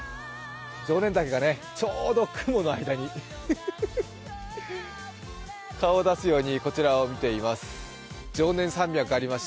常念岳がちょうど雲の間に顔を出すようにこちらを見ています。